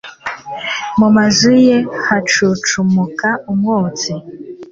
Mu mazuru ye hacucumuka umwotsi